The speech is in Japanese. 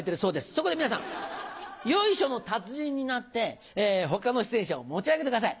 そこで皆さん「よいしょ」の達人になって他の出演者を持ち上げてください。